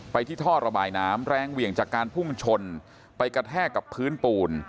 ที่ท่อระบายน้ำแรงเหวี่ยงจากการพุ่งชนไปกระแทกกับพื้นปูน